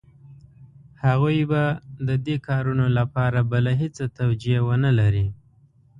هغوی به د دې کارونو لپاره بله هېڅ توجیه ونه لري.